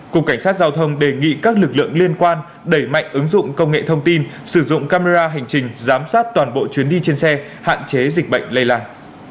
cục cảnh sát giao thông đề nghị các lực lượng liên quan đẩy mạnh ứng dụng công nghệ thông tin sử dụng camera hành trình giám sát toàn bộ chuyến đi trên xe hạn chế dịch bệnh lây lan